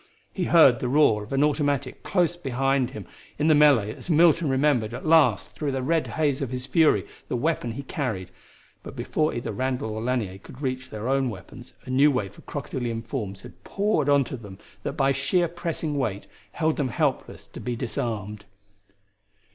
He heard the roar of an automatic close beside him in the melee as Milton remembered at last through the red haze of his fury the weapon he carried, but before either Randall or Lanier could reach their own weapons a new wave of crocodilian forms had poured onto them that by sheer pressing weight held them helpless, to be disarmed.